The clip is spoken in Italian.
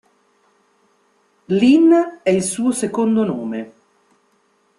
Linn è il suo secondo nome.